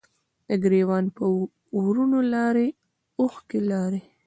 د ګریوان په ورونو لارې، اوښکې لارې